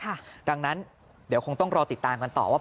ดังนั้นเดี๋ยวคงต้องรอติดตามกันต่อว่า